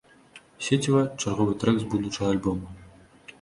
Сеціва чарговы трэк з будучага альбома.